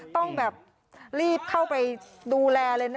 ต้องแบบรีบเข้าไปดูแลเลยนะ